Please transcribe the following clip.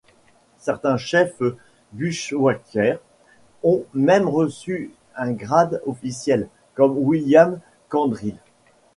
Certains chefs bushwhackers ont même reçu un grade officiel, comme William Quantrill.